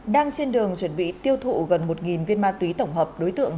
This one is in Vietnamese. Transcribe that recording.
đang trên đường chuẩn bị tiêu thụ gần một viên ma túy tổng hợp đối tượng